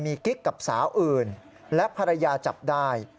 มีกิ๊กกับสาวอื่นและภรรยาจับได้